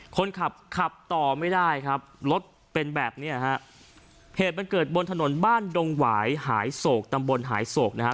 คนขับขับต่อไม่ได้ครับรถเป็นแบบเนี้ยฮะเหตุมันเกิดบนถนนบ้านดงหวายหายโศกตำบลหายโศกนะฮะ